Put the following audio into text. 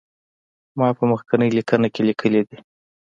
ما په مخکینی لیکنه کې لیکلي دي.